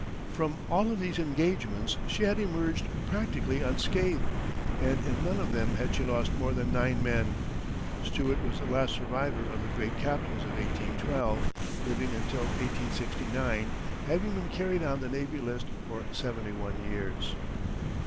From all of these engagements she had emerged practically unscathed, and in none of them had she lost more than nine men. Stewart was the last survivor of the great captains of 1812, living until 1869, having been carried on the navy list for seventy one years.